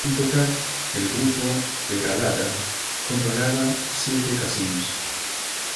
En total, el Grupo Peralada controlaba siete casinos.